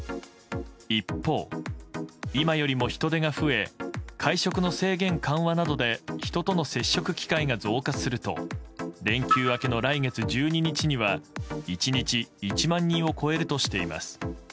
一方、今よりも人出が増え会食の制限緩和などで人との接触機会が増加すると連休明けの来月１２日には１日１万人を超えるとしています。